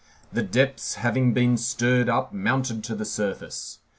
The depths having been stirred up, mounted to the surface.